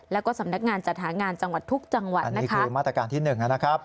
แล้วก็สำนักงานจัดหางานจังหวัดทุกจังหวัดนะคะ